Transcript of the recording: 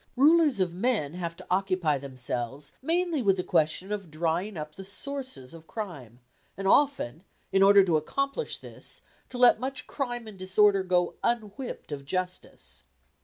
Rulers of men have to occupy themselves mainly with the question of drying up the sources of crime, and often, in order to accomplish this, to let much crime and disorder go unwhipped of justice.